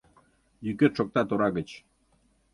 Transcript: Йÿкет шокта тора гыч